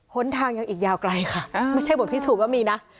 หนทางยังอีกยาวไกลค่ะไม่ใช่บทพิสูจน์ว่ามีนะ